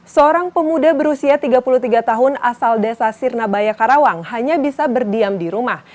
seorang pemuda berusia tiga puluh tiga tahun asal desa sirnabaya karawang hanya bisa berdiam di rumah